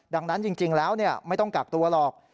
ดังนั้นจริงแล้วไม่ต้องกักตัวหรอก